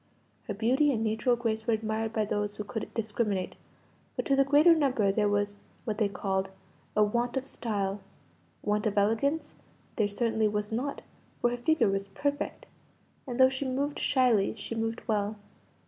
Her beauty and natural grace were admired by those who could discriminate; but to the greater number there was (what they called) "a want of style" want of elegance there certainly was not, for her figure was perfect, and though she moved shyly, she moved well.